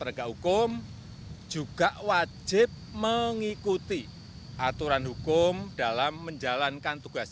penegak hukum juga wajib mengikuti aturan hukum dalam menjalankan tugas